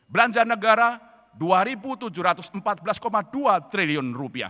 belanja negara rp dua tujuh ratus empat belas dua triliun